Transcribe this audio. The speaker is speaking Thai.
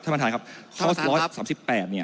ท่านประธานครับข้อ๑๓๘เนี่ย